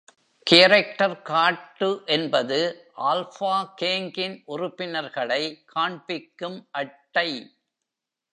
Character card என்பது alpha கேங்கின் உறுப்பினர்களை காண்பிக்கும் அட்டை.